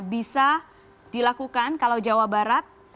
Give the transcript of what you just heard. bisa dilakukan kalau jawa barat